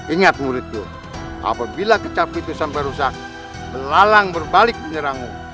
ingat muridmu apabila kecap itu sampai rusak melalang berbalik penyerangmu